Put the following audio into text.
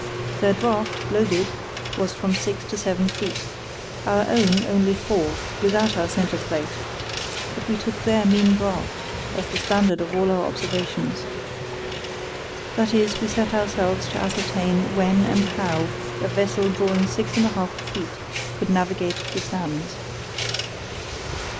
Their draught, loaded, was from six to seven feet, our own only four, without our centre plate, but we took their mean draught as the standard of all our observations. That is, we set ourselves to ascertain when and how a vessel drawing six and a half feet could navigate the sands.